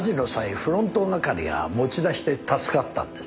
フロント係が持ち出して助かったんです。